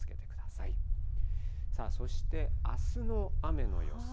さあ、そしてあすの雨の予想。